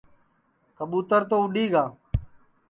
کٻُُوتر تو اُڈؔی گا